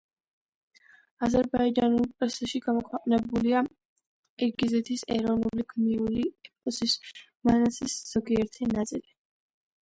აზერბაიჯანული პრესაში გამოქვეყნებულია ყირგიზეთის ეროვნული გმირული ეპოსის „მანასის“ ზოგიერთი ნაწილი.